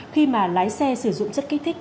khi mà lái xe sử dụng chất kích thích